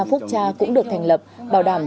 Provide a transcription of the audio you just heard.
phúc tra cũng được thành lập bảo đảm